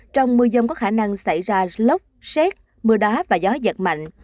trong mưa dông có khả năng xảy ra lốc xét mưa đá và gió giật mạnh